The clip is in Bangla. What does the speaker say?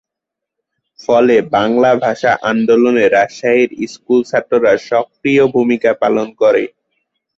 ফলে বাংলা ভাষা আন্দোলনে রাজশাহীর স্কুল ছাত্ররা সক্রিয় ভুমিকা পালন করে।